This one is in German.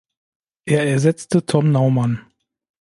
Er ersetzte Tom Naumann.